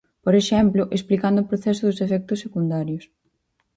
Por exemplo, explicando o proceso dos efectos secundarios.